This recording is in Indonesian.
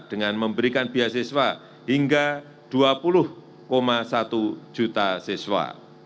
dengan memberikan beasiswa hingga dua puluh satu juta siswa